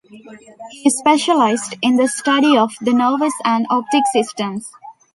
He specialized in the study of the nervous and optic systems.